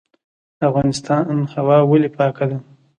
د افغانستان هوا ولې پاکه ده؟